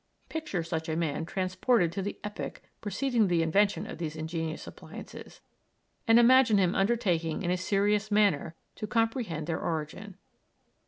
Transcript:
Picture such a man transported to the epoch preceding the invention of these ingenious appliances, and imagine him undertaking in a serious manner to comprehend their origin.